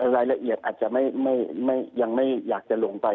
รายละเอียดอาจจะยังไม่อยากจะลงไป